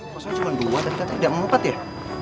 masalahnya cuma dua tadi kata gak mau empat ya